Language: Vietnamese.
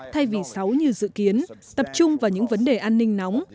thay vì sáu như dự kiến tập trung vào những vấn đề an ninh nóng